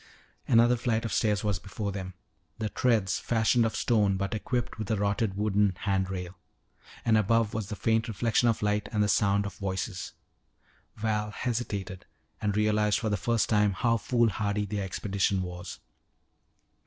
Another flight of stairs was before them, the treads fashioned of stone but equipped with a rotted wooden hand rail. And above was the faint reflection of light and the sound of voices. Val hesitated and realized for the first time how foolhardy their expedition was.